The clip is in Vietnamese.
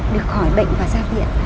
được khỏi bệnh và ra viện